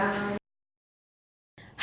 hành trình khởi nghiệp của anh lê hùng việt